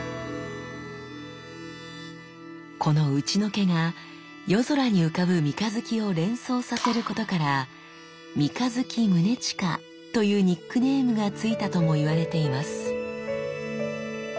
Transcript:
この打除けが夜空に浮かぶ三日月を連想させることから三日月宗近というニックネームがついたとも言われています。